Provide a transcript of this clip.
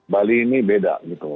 bali ini beda gitu